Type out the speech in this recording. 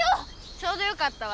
ちょうどよかったわ。